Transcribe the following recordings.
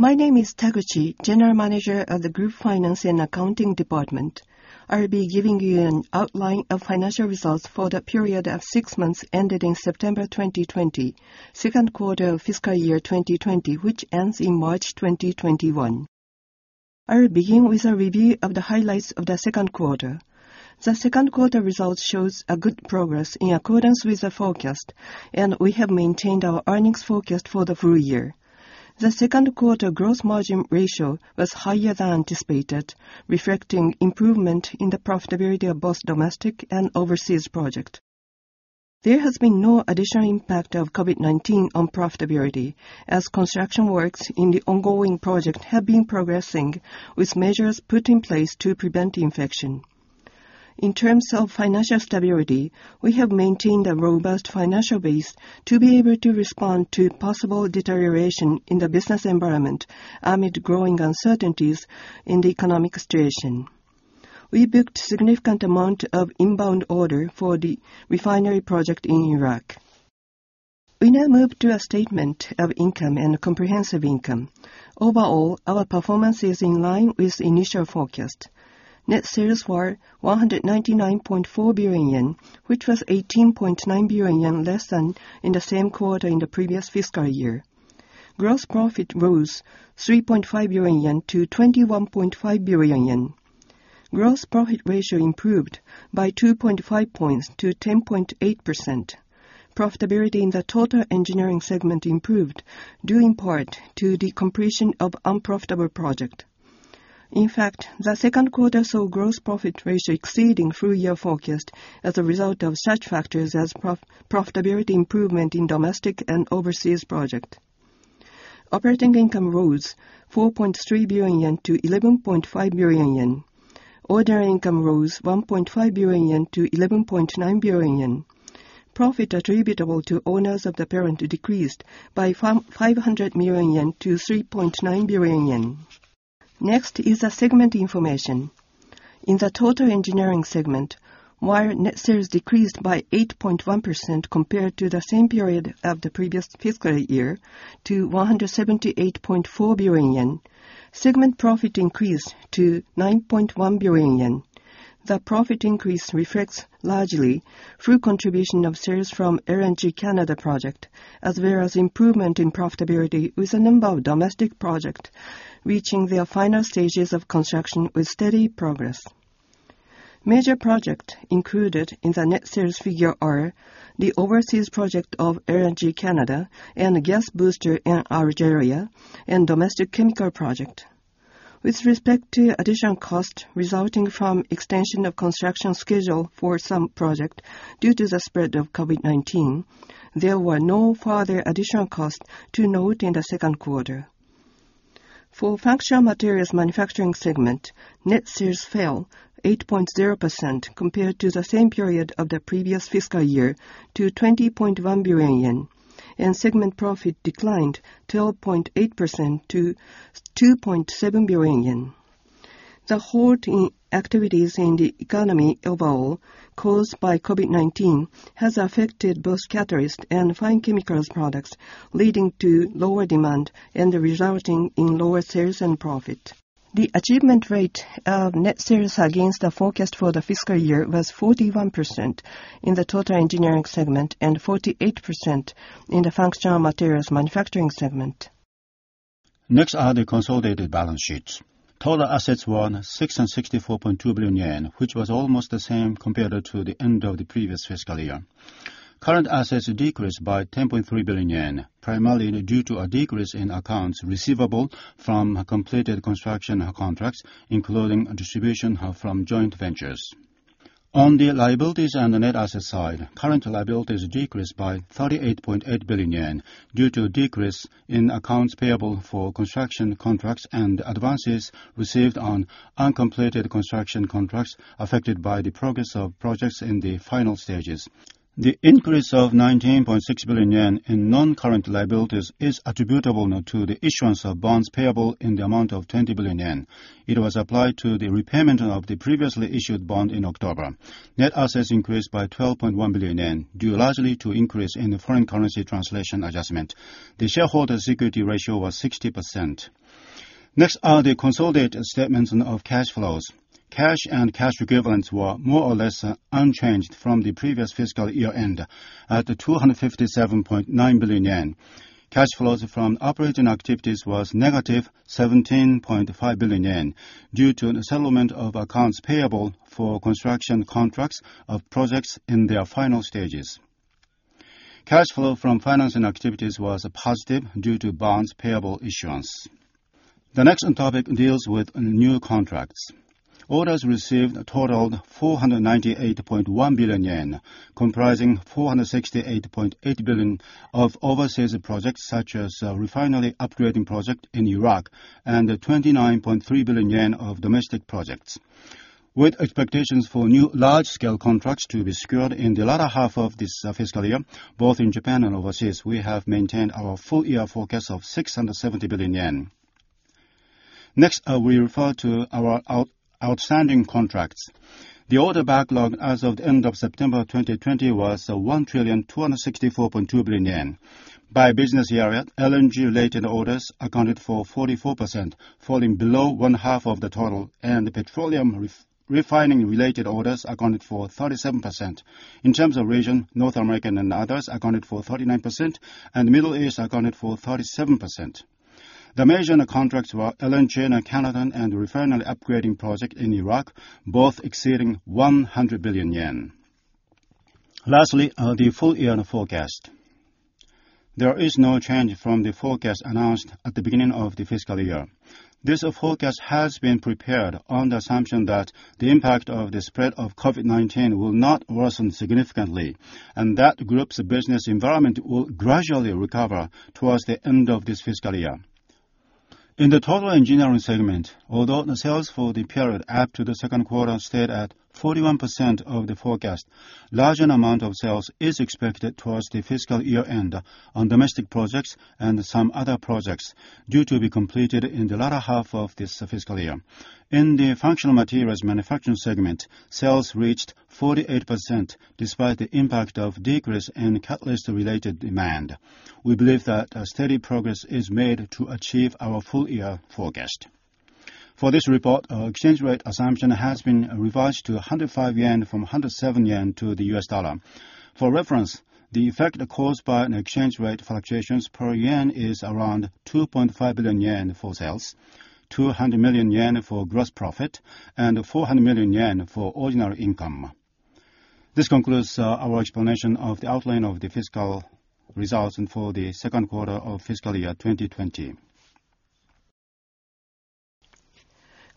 My name is Taguchi, General Manager of the Group Finance and Accounting Department. I will be giving you an outline of financial results for the period of six months ending September 2020, second quarter of fiscal year 2020, which ends in March 2021. I will begin with a review of the highlights of the second quarter. The second quarter results shows a good progress in accordance with the forecast, and we have maintained our earnings forecast for the full year. The second quarter gross margin ratio was higher than anticipated, reflecting improvement in the profitability of both domestic and overseas project. There has been no additional impact of COVID-19 on profitability, as construction works in the ongoing project have been progressing with measures put in place to prevent infection. In terms of financial stability, we have maintained a robust financial base to be able to respond to possible deterioration in the business environment amid growing uncertainties in the economic situation. We booked significant amount of inbound order for the refinery project in Iraq. We now move to a statement of income and comprehensive income. Overall, our performance is in line with initial forecast. Net sales were 199.4 billion yen, which was 18.9 billion yen less than in the same quarter in the previous fiscal year. Gross profit rose 3.5 billion-21.5 billion yen. Gross profit ratio improved by 2.5 points to 10.8%. Profitability in the Total Engineering segment improved, due in part to the completion of unprofitable project. In fact, the second quarter saw gross profit ratio exceeding full-year forecast as a result of such factors as profitability improvement in domestic and overseas project. Operating income rose 4.3 billion-11.5 billion yen. Ordinary income rose 1.5 billion-11.9 billion yen. Profit attributable to owners of the parent decreased by 500 million-3.9 billion yen. Next is the segment information. In the Total Engineering segment, while net sales decreased by 8.1% compared to the same period of the previous fiscal year to 178.4 billion yen, segment profit increased to 9.1 billion yen. The profit increase reflects largely through contribution of sales from LNG Canada project, as well as improvement in profitability with a number of domestic project reaching their final stages of construction with steady progress. Major project included in the net sales figure are the overseas project of LNG Canada and gas booster in Algeria and domestic chemical project. With respect to additional cost resulting from extension of construction schedule for some project due to the spread of COVID-19, there were no further additional cost to note in the second quarter. For Functional Materials Manufacturing segment, net sales fell 8.0% compared to the same period of the previous fiscal year to 20.1 billion yen, and segment profit declined 12.8% to 2.7 billion yen. The halt in activities in the economy overall caused by COVID-19 has affected both catalyst and fine chemicals products, leading to lower demand and resulting in lower sales and profit. The achievement rate of net sales against the forecast for the fiscal year was 41% in the Total Engineering segment and 48% in the Functional Materials Manufacturing segment. Next are the consolidated balance sheets. Total assets were 664.2 billion yen, which was almost the same compared to the end of the previous fiscal year. Current assets decreased by 10.3 billion yen, primarily due to a decrease in accounts receivable from completed construction contracts, including distribution from joint ventures. On the liabilities and net assets side, current liabilities decreased by 38.8 billion yen due to a decrease in accounts payable for construction contracts and advances received on uncompleted construction contracts affected by the progress of projects in the final stages. The increase of 19.6 billion yen in non-current liabilities is attributable to the issuance of bonds payable in the amount of 20 billion yen. It was applied to the repayment of the previously issued bond in October. Net assets increased by 12.1 billion yen, due largely to increase in foreign currency translation adjustment. The shareholders' equity ratio was 60%. Next are the consolidated statements of cash flows. Cash and cash equivalents were more or less unchanged from the previous fiscal year-end at 257.9 billion yen. Cash flows from operating activities was -17.5 billion yen due to settlement of accounts payable for construction contracts of projects in their final stages. Cash flow from financing activities was positive due to bonds payable issuance. The next topic deals with new contracts. Orders received totaled 498.1 billion yen, comprising 468.8 billion of overseas projects, such as a Refinery Upgrading Project in Iraq, and 29.3 billion yen of domestic projects. With expectations for new large-scale contracts to be secured in the latter half of this fiscal year, both in Japan and overseas, we have maintained our full-year forecast of 670 billion yen. Next, we refer to our outstanding contracts. The order backlog as of the end of September 2020 was 1,264.2 billion yen. By business area, LNG related orders accounted for 44%, falling below 1/2 of the total, and the petroleum refining related orders accounted for 37%. In terms of region, North American and others accounted for 39%, and Middle East accounted for 37%. The major contracts were LNG Canada and Refinery Upgrading Project in Iraq, both exceeding 100 billion yen. Lastly, the full year forecast. There is no change from the forecast announced at the beginning of the fiscal year. This forecast has been prepared on the assumption that the impact of the spread of COVID-19 will not worsen significantly, and that Group's business environment will gradually recover towards the end of this fiscal year. In the Total Engineering segment, although the sales for the period up to the second quarter stayed at 41% of the forecast, larger amount of sales is expected towards the fiscal year end on domestic projects and some other projects due to be completed in the latter half of this fiscal year. In the Functional Materials Manufacturing segment, sales reached 48% despite the impact of decrease in catalyst related demand. We believe that a steady progress is made to achieve our full year forecast. For this report, our exchange rate assumption has been revised to 105 yen from 107 yen to the U.S. dollar. For reference, the effect caused by an exchange rate fluctuations per yen is around 2.5 billion yen for sales, 200 million yen for gross profit and 400 million yen for ordinary income. This concludes our explanation of the outline of the fiscal results and for the second quarter of fiscal year 2020.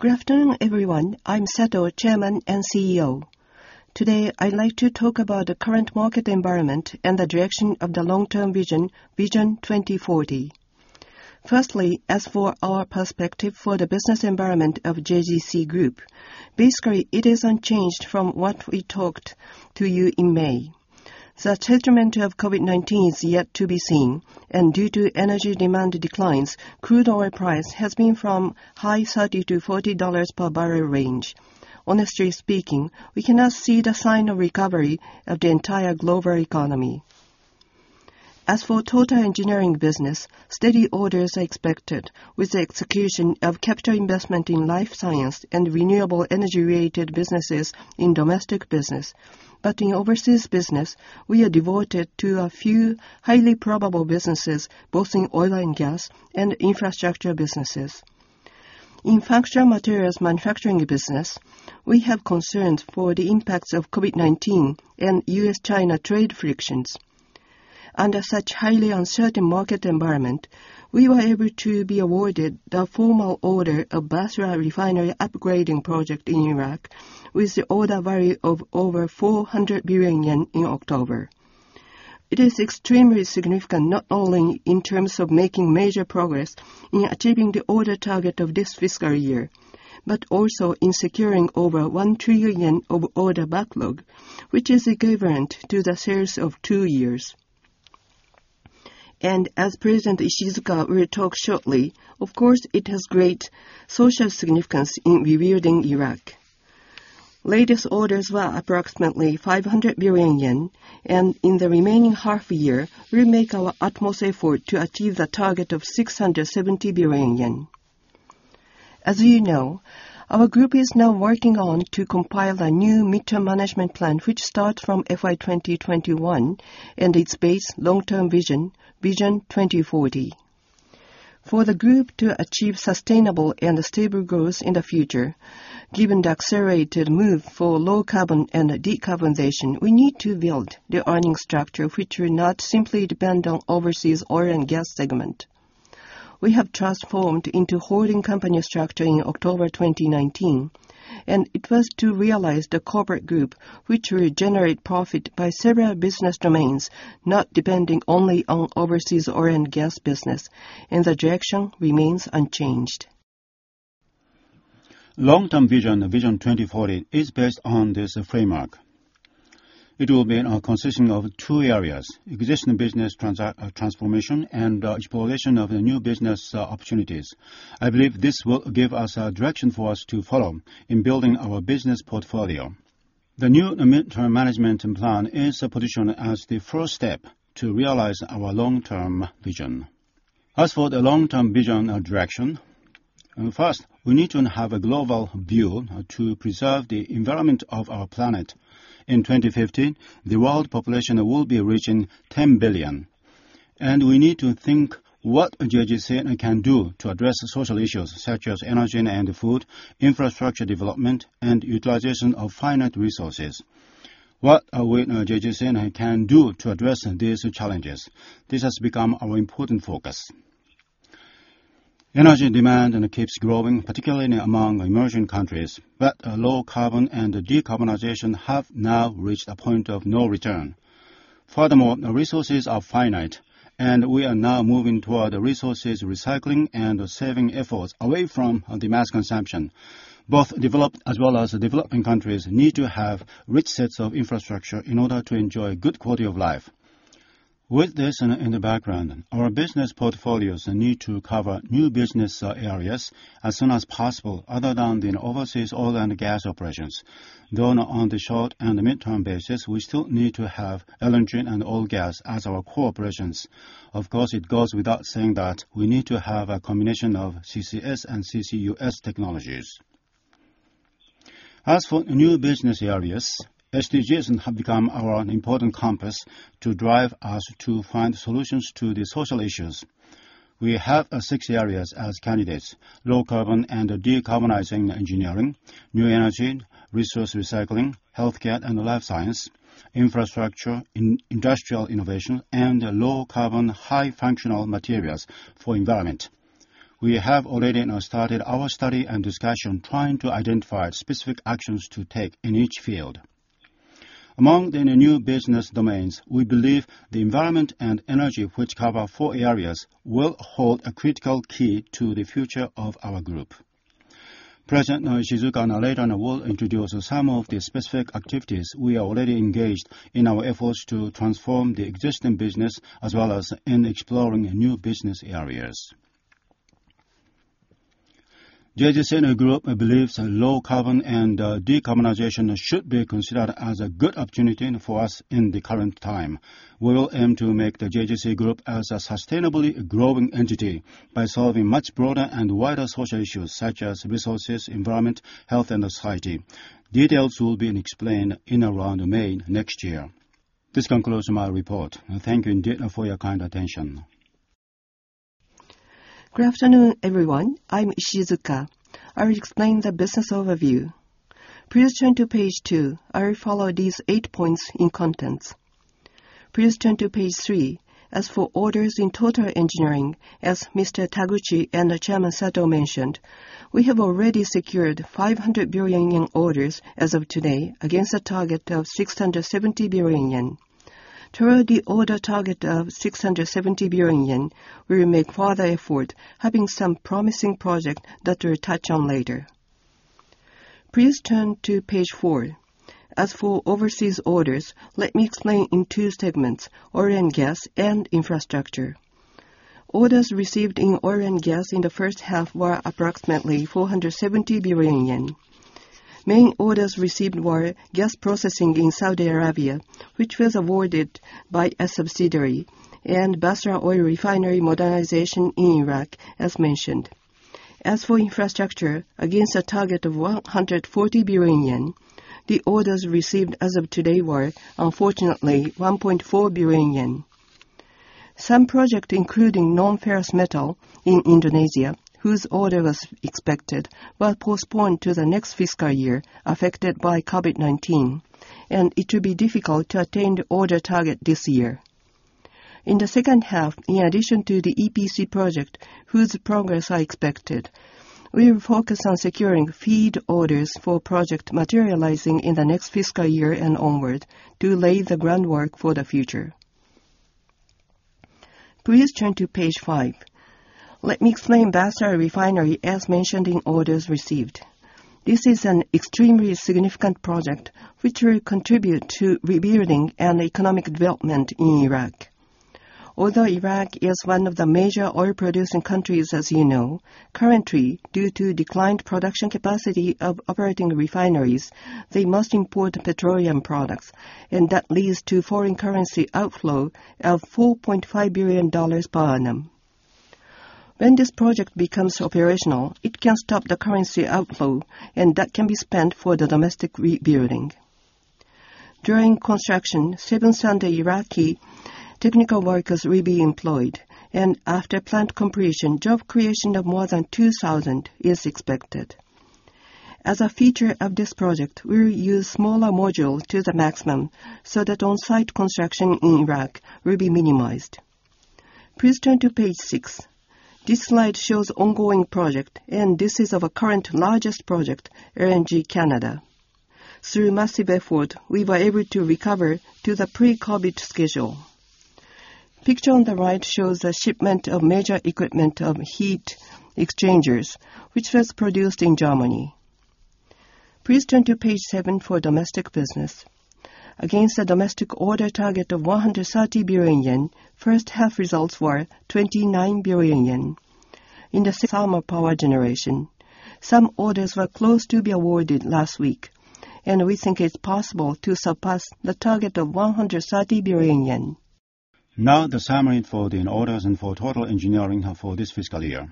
Good afternoon, everyone. I'm Sato, Chairman and CEO. Today, I'd like to talk about the current market environment and the direction of the long-term vision, Vision 2040. Firstly, as for our perspective for the business environment of JGC Group, basically it is unchanged from what we talked to you in May. The settlement of COVID-19 is yet to be seen. Due to energy demand declines, crude oil price has been from high $30-$40 per bbl range. Honestly speaking, we cannot see the sign of recovery of the entire global economy. As for Total Engineering business, steady orders are expected with the execution of capital investment in life science and renewable energy related businesses in domestic business. In overseas business, we are devoted to a few highly probable businesses, both in oil and gas and infrastructure businesses. In Functional Materials Manufacturing business, we have concerns for the impacts of COVID-19 and U.S.-China trade frictions. Under such highly uncertain market environment, we were able to be awarded the formal order of Basra Refinery Upgrading Project in Iraq with the order value of over 400 billion yen in October. It is extremely significant, not only in terms of making major progress in achieving the order target of this fiscal year, but also in securing over 1 trillion of order backlog, which is equivalent to the sales of two years. As President Ishizuka will talk shortly, of course, it has great social significance in rebuilding Iraq. Latest orders were approximately 500 billion yen, and in the remaining half year, we'll make our utmost effort to achieve the target of 670 billion yen. As you know, our group is now working on to compile a new midterm management plan, which starts from FY 2021, and its base long-term vision, Vision 2040. For the group to achieve sustainable and stable growth in the future, given the accelerated move for low carbon and decarbonization. We need to build the earning structure, which will not simply depend on overseas oil and gas segment. We have transformed into holding company structure in October 2019, and it was to realize the corporate group which will generate profit by several business domains, not depending only on overseas oil and gas business, and the direction remains unchanged. Long-term vision, Vision 2040, is based on this framework. It will be consisting of two areas, existing business transformation and exploration of the new business opportunities. I believe this will give us a direction for us to follow in building our business portfolio. The new midterm management plan is positioned as the first step to realize our long-term vision. As for the long-term vision direction, first, we need to have a global view to preserve the environment of our planet. In 2050, the world population will be reaching 10 billion, and we need to think what JGC can do to address social issues such as energy and food, infrastructure development, and utilization of finite resources. What will JGC can do to address these challenges? This has become our important focus. Energy demand keeps growing, particularly among emerging countries, but low carbon and decarbonization have now reached a point of no return. Furthermore, resources are finite, and we are now moving toward resources recycling and saving efforts away from the mass consumption. Both developed as well as developing countries need to have rich sets of infrastructure in order to enjoy good quality of life. With this in the background, our business portfolios need to cover new business areas as soon as possible other than overseas oil and gas operations. Though on the short and the mid-term basis, we still need to have LNG and oil gas as our core operations. Of course, it goes without saying that we need to have a combination of CCS and CCUS technologies. As for new business areas, SDGs have become an important compass to drive us to find solutions to the social issues. We have six areas as candidates, low carbon and decarbonizing engineering, new energy, resource recycling, healthcare and life science, infrastructure, industrial innovation, and low carbon, high functional materials for environment. We have already now started our study and discussion trying to identify specific actions to take in each field. Among the new business domains, we believe the environment and energy, which cover four areas, will hold a critical key to the future of our group. President Ishizuka later will introduce some of the specific activities we are already engaged in our efforts to transform the existing business, as well as in exploring new business areas. JGC Group believes low carbon and decarbonization should be considered as a good opportunity for us in the current time. We will aim to make the JGC Group as a sustainably growing entity by solving much broader and wider social issues such as resources, environment, health, and society. Details will be explained in around May next year. This concludes my report. Thank you indeed for your kind attention. Good afternoon, everyone. I'm Ishizuka. I will explain the business overview. Please turn to page two. I will follow these eight points in contents. Please turn to page three. As for orders in Total Engineering, as Mr. Taguchi and Chairman Sato mentioned, we have already secured 500 billion yen orders as of today against a target of 670 billion yen. Toward the order target of 670 billion yen, we will make further effort having some promising project that we'll touch on later. Please turn to page four. As for overseas orders, let me explain in two segments, oil and gas and infrastructure. Orders received in oil and gas in the first half were approximately 470 billion yen. Main orders received were gas processing in Saudi Arabia, which was awarded by a subsidiary, and Basra Oil Refinery Modernization in Iraq, as mentioned. As for infrastructure, against a target of 140 billion yen, the orders received as of today were, unfortunately, 1.4 billion yen. Some project, including non-ferrous metal in Indonesia, whose order was expected, were postponed to the next fiscal year, affected by COVID-19. It will be difficult to attain the order target this year. In the second half, in addition to the EPC project, whose progress I expected, we will focus on securing FEED orders for project materializing in the next fiscal year and onward to lay the groundwork for the future. Please turn to page five. Let me explain Basra Refinery as mentioned in orders received. This is an extremely significant project which will contribute to rebuilding and economic development in Iraq. Although Iraq is one of the major oil-producing countries, as you know, currently, due to declined production capacity of operating refineries, they must import petroleum products, and that leads to foreign currency outflow of JPY 4.5 billion/annum. When this project becomes operational, it can stop the currency outflow, and that can be spent for the domestic rebuilding. During construction, 7,000 Iraqi technical workers will be employed, and after plant completion, job creation of more than 2,000 is expected. As a feature of this project, we will use smaller modules to the maximum so that on-site construction in Iraq will be minimized. Please turn to page six. This slide shows ongoing project, and this is our current largest project, LNG Canada. Through massive effort, we were able to recover to the pre-COVID-19 schedule. Picture on the right shows the shipment of major equipment of heat exchangers, which was produced in Germany. Please turn to page seven for domestic business. Against a domestic order target of 130 billion yen, first half results were 29 billion yen. In the thermal power generation, some orders were close to be awarded last week, and we think it's possible to surpass the target of 130 billion yen. The summary for the orders and for Total Engineering for this fiscal year.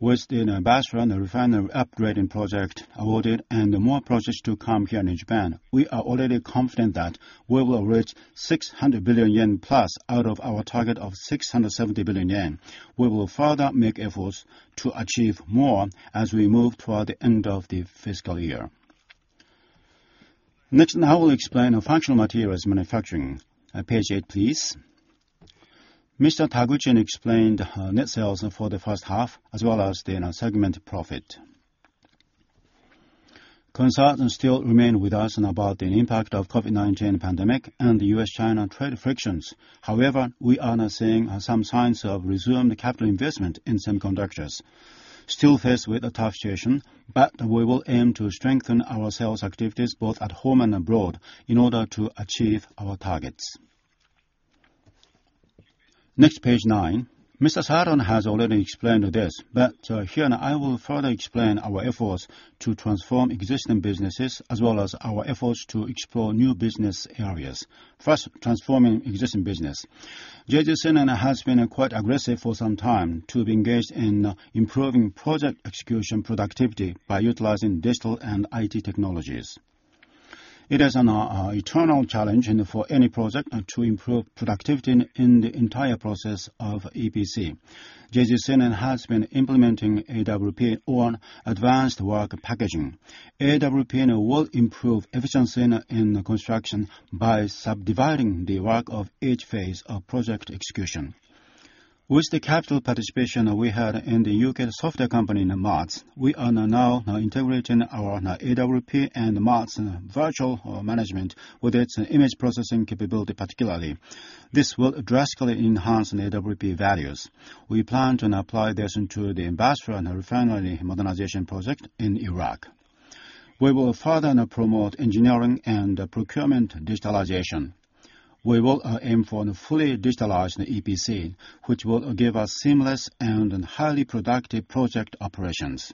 With the Basra Refinery Upgrading Project awarded and more projects to come here in Japan, we are already confident that we will reach 600 billion yen+ out of our target of 670 billion yen. We will further make efforts to achieve more as we move toward the end of the fiscal year. I will explain Functional Materials Manufacturing. Page eight, please. Mr. Taguchi explained net sales for the first half as well as the segment profit. Concerns still remain with us about the impact of COVID-19 pandemic and the U.S.-China trade frictions. We are now seeing some signs of resumed capital investment in semiconductors. Still faced with a tough situation, but we will aim to strengthen our sales activities both at home and abroad in order to achieve our targets. Page nine. Mr. Sato has already explained this. Here I will further explain our efforts to transform existing businesses as well as our efforts to explore new business areas. First, transforming existing business. JGC has been quite aggressive for some time to be engaged in improving project execution productivity by utilizing digital and IT technologies. It is an eternal challenge for any project to improve productivity in the entire process of EPC. JGC has been implementing AWP or Advanced Work Packaging. AWP will improve efficiency in construction by subdividing the work of each phase of project execution. With the capital participation we had in the U.K. software company, MODS, we are now integrating our AWP and MODS virtual management with its image processing capability, particularly. This will drastically enhance AWP values. We plan to apply this to the Basra Refinery Modernization Project in Iraq. We will further promote engineering and procurement digitalization. We will aim for fully digitalized EPC, which will give us seamless and highly productive project operations.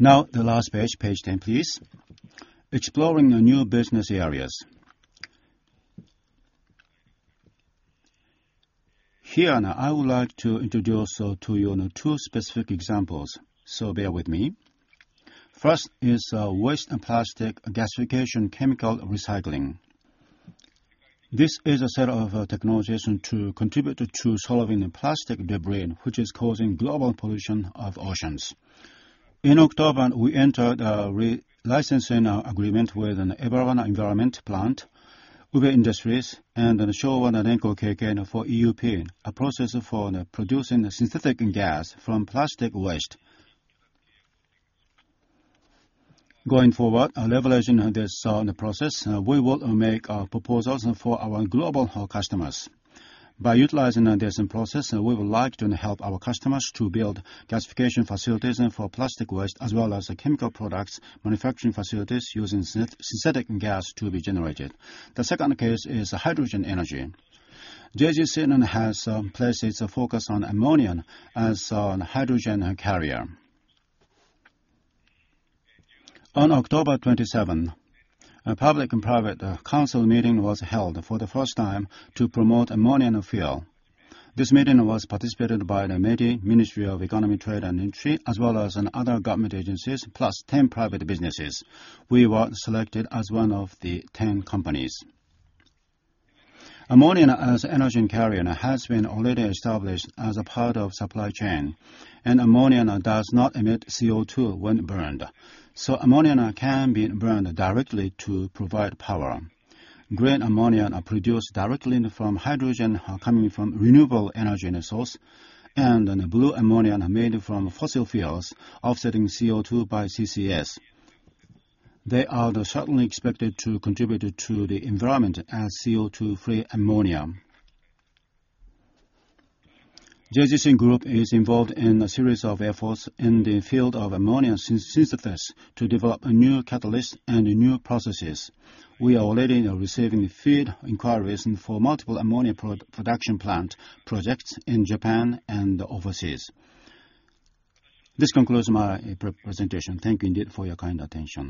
The last page 10, please. Exploring the new business areas. Here, I would like to introduce to you two specific examples, so bear with me. First is waste and plastic gasification chemical recycling. This is a set of technologies to contribute to solving the plastic debris, which is causing global pollution of oceans. In October, we entered a licensing agreement with Ebara Environmental Plant, Ube Industries, and Showa Denko K.K. for EUP, a process for producing synthetic gas from plastic waste. Going forward, leveraging this process, we will make proposals for our global customers. By utilizing this process, we would like to help our customers to build gasification facilities for plastic waste, as well as chemical products, manufacturing facilities using synthetic gas to be generated. The second case is hydrogen energy. JGC has placed its focus on ammonia as a hydrogen carrier. On October 27, a public and private council meeting was held for the first time to promote ammonia fuel. This meeting was participated by the METI, Ministry of Economy, Trade and Industry, as well as other government agencies, + 10 private businesses. We were selected as one of the 10 companies. Ammonia as an energy carrier has been already established as a part of supply chain, and ammonia does not emit CO2 when burned. Ammonia can be burned directly to provide power. Green ammonia are produced directly from hydrogen coming from renewable energy source, and blue ammonia are made from fossil fuels, offsetting CO2 by CCS. They are certainly expected to contribute to the environment as CO2-free ammonia. JGC Group is involved in a series of efforts in the field of ammonia synthesis to develop new catalysts and new processes. We are already receiving FEED inquiries for multiple ammonia production plant projects in Japan and overseas. This concludes my presentation. Thank you indeed for your kind attention.